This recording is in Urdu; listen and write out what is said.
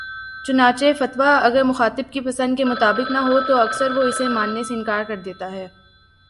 چنانچہ فتویٰ اگر مخاطب کی پسند کے مطابق نہ ہو تو اکثر وہ اسے ماننے سے انکار کر دیتا ہے